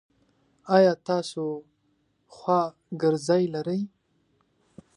ایا تاسو خواګرځی لری؟